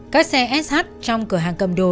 các xe sh trong cửa hàng cầm đồ